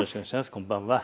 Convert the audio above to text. こんばんは。